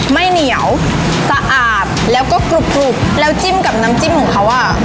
ไม่เหนียวสะอาดแล้วก็กรุบแล้วจิ้มกับน้ำจิ้มของเขาอ่ะ